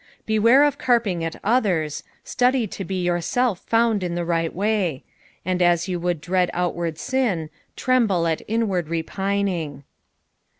Beware of carping at others, study to be yourself found in the right way ; and u you would dread outward sin, tremble at inward repining.